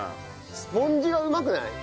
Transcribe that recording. スポンジがうまくない？